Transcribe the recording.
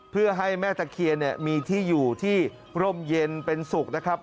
เพื่อให้แม่ตะเคียนมีที่อยู่ที่ร่มเย็นเป็นสุขนะครับ